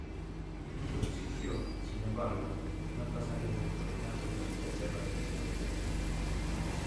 Subsistió, sin embargo, en otras áreas del virreinato durante la guerra de la Independencia.